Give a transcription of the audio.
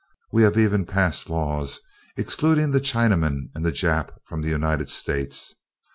We have even passed laws excluding the Chinaman and the Jap from the United States.